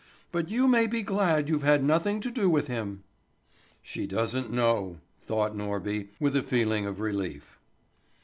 "But you may be glad you've had nothing to do with him." "She doesn't know," thought Norby, with a feeling of relief.